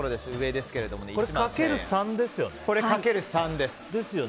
これ、かける３ですよね。